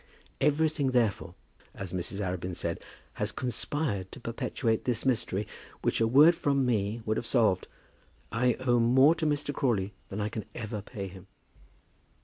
"Everything, therefore," as Mrs. Arabin said, "has conspired to perpetuate this mystery, which a word from me would have solved. I owe more to Mr. Crawley than I can ever pay him."